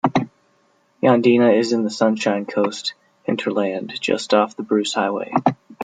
Yandina is in the Sunshine Coast hinterland just off the Bruce Highway.